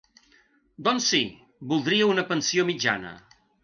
Doncs sí, voldria una pensió mitjana.